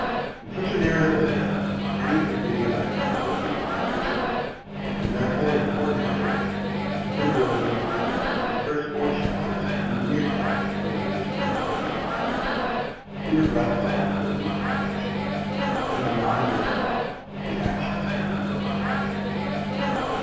In such a narrative as this, any proceeding of that kind would be unusual, and therefore the poor narrator has been driven to expend his first four chapters in the mere task of introducing his characters. He regrets the length of these introductions, and will now begin at once the action of his story.